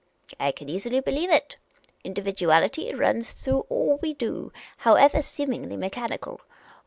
" I can easily believe it. Individuality runs through all we do, however seemingly mechanical.